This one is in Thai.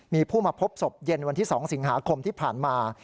มีผู้มาพบศพเย็นวันที่๒สิงหาคมที่ผ่านมา